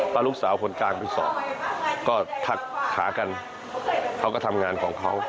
ลูกสาวคนกลางไปสอบก็ทักหากันเขาก็ทำงานของเขา